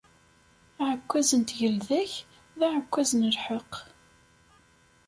Aɛekkaz n tgelda-k, d aɛekkaz n lḥeqq.